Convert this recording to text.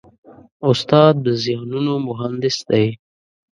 استاد د ذهنونو مهندس دی.